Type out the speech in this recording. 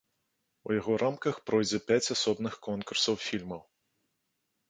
У яго рамках пройдзе пяць асобных конкурсаў фільмаў.